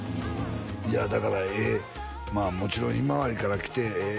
いやだからもちろんひまわりから来てええ